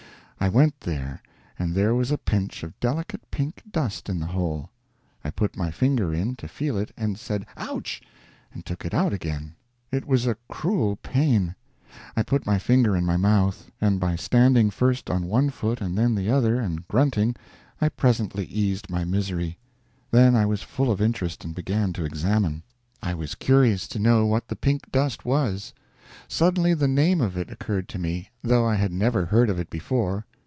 I went there, and there was a pinch of delicate pink dust in the hole. I put my finger in, to feel it, and said ouch! and took it out again. It was a cruel pain. I put my finger in my mouth; and by standing first on one foot and then the other, and grunting, I presently eased my misery; then I was full of interest, and began to examine. I was curious to know what the pink dust was. Suddenly the name of it occurred to me, though I had never heard of it before.